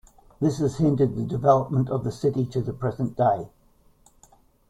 This has hindered the development of the city to the present day.